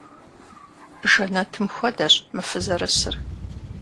Жэнэтым хуэдэщ мы фызэрысыр.